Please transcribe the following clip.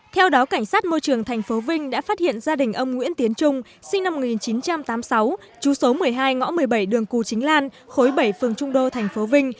theo đó cảnh sát môi trường tp vinh đã phát hiện gia đình ông nguyễn tiến trung sinh năm một nghìn chín trăm tám mươi sáu chú số một mươi hai ngõ một mươi bảy đường cù chính lan khối bảy phường trung đô thành phố vinh